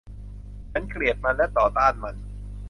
ฉันเกลียดมันและต่อต้านมัน